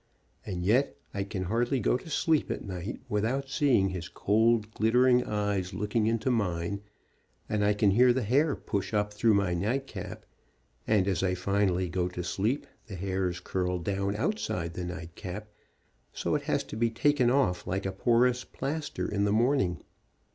and yet I can hardly go to sleep at night without see ing his cold, glittering eyes looking into mine, and I can feel the hair push up through my nightcap, and as I finally go to sleep the hairs curl down outside the nightcap, so it has to be taken off like a porous plaster in the morning.